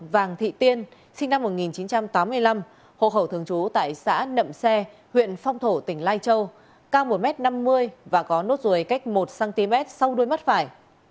vàng thị tiên sinh năm một nghìn chín trăm tám mươi năm hộ khẩu thường trú tại xã nậm xe huyện phong thổ tỉnh lai châu cao một m năm mươi và có nốt ruồi cách một cm sau đuôi mắt phải